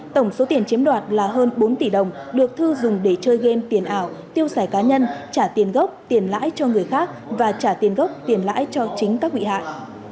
tổng số tiền chiếm đoạt là hơn bốn tỷ đồng được thư dùng để chơi game tiền ảo tiêu sẻ cá nhân trả tiền gốc tiền lãi cho người khác và trả tiền gốc tiền lãi cho chính các bị hại